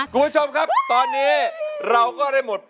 คุณผู้ชมครับตอนนี้เราก็ได้หมด